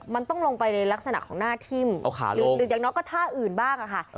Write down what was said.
มันต้องลงไปในลักษณะของหน้าทิ่มหรืออย่างน้อยก็ท่าอื่นบ้างค่ะ